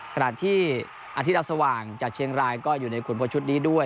ขณะที่อาทิตย์ดาวสว่างจากเชียงรายก็อยู่ในขุนพลชุดนี้ด้วย